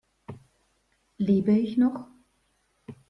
Lebe ich noch?